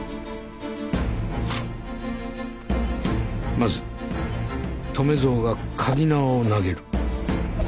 まず留造がかぎ縄を投げる。